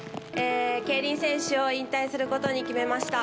競輪選手を引退することに決めました。